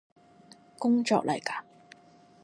工作嚟嘎？